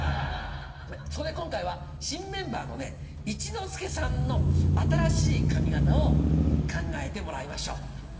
そこで今回は新メンバーの一之輔さんの新しい髪形を考えてもらいましょう。